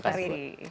terima kasih mbak